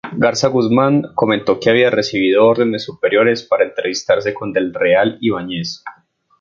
Garza Guzmán comentó que había "recibido órdenes superiores para entrevistarse con del Real Ibáñez".